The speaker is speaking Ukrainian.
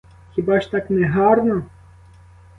Хіба ж так не гарно?